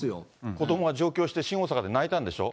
子どもが上京して新大阪で泣いたんでしょ。